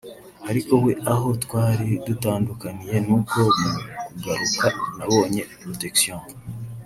ariko we aho twari dutandukaniye nuko mu kugaruka nabonye protection